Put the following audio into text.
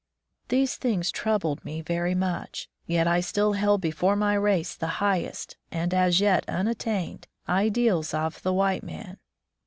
These things troubled me very much; yet I still held before my race the highest, and as yet unattained, ideals of the white man.